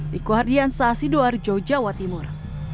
dikuhardian sasi doarjo jawa timur